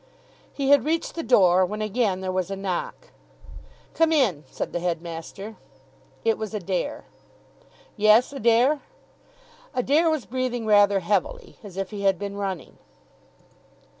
He had reached the door, when again there was a knock. "Come in," said the headmaster. It was Adair. "Yes, Adair?" Adair was breathing rather heavily, as if he had been running.